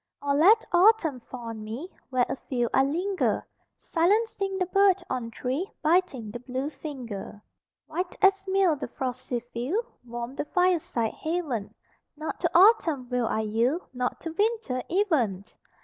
Or let autumn fall on me Where afield I linger, Silencing the bird on tree, Biting the blue finger. White as meal the frosty field Warm the fireside haven Not to autumn will I yield, Not to winter even!